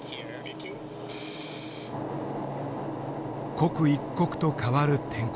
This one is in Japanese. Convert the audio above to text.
刻一刻と変わる天候。